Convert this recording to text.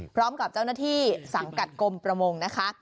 พร้อมกับเจ้าหน้าที่สังกัดกรมประมงนะคะ